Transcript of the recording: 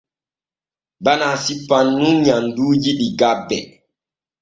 Bana sippan nun nyamduuli ɗi gabbe.